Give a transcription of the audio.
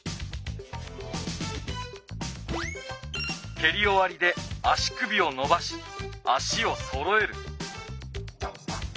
けりおわりで足首をのばし足をそろえる。